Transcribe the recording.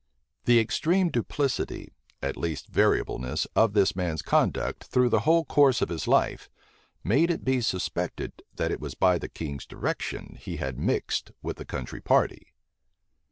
The extreme duplicity, at least variableness, of this man's conduct, through the whole course of his life, made it be suspected, that it was by the king's direction he had mixed with the country party.